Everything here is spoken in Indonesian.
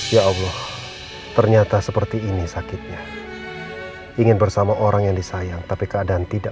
ya allah ternyata seperti ini sakitnya ingin bersama orang yang disayang tapi keadaan tidak